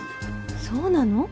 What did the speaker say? そうなの？